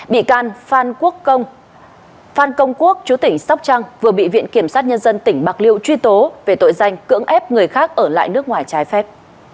bị can phan quốc phan công quốc chú tỉnh sóc trăng vừa bị viện kiểm sát nhân dân tỉnh bạc liêu truy tố về tội danh cưỡng ép người khác ở lại nước ngoài trái phép